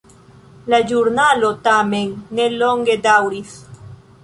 La ĵurnalo tamen ne longe daŭris.